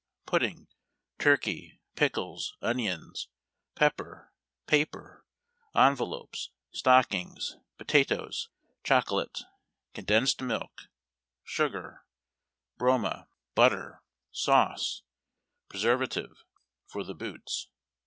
"pudding, turkey, pickles, onions, pepper, paper, envelopes, stockings, potatoes, chocolate, condensed milk, sugar, broma, butter, sauce, preservative '' (for the boots).